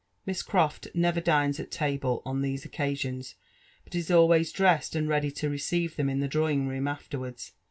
Miss Croft never dines at table on these occasions, but is always di'essed and ready to receive them in the drawing room afterwards.